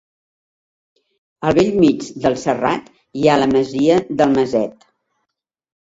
Al bell mig del serrat hi ha la masia del Maset.